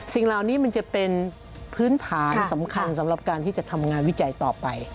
สิ่งเหล่านี้มันจะเป็นพื้นฐานสำคัญสำหรับการที่จะทำงานวิจัยต่อไป